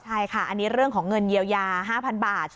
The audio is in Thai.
ใช่ค่ะอันนี้เรื่องของเงินเยียวยา๕๐๐๐บาท